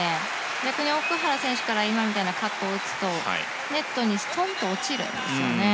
逆に奥原選手から今みたいなカットを打つとネットにストンと落ちるんですよね。